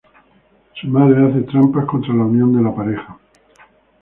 Su madre trampas contra la unión de la pareja.